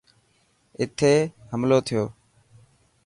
اٿي حملو ٿيو.